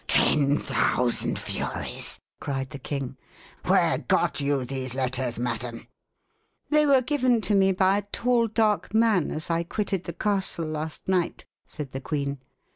"Ten thousand furies!" cried the king. "Where got you these letters, madam?" "They were given to me by a tall dark man, as I quitted the castle last night," said the queen.